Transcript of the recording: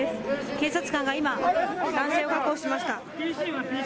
警察官が今、男性を確保しました。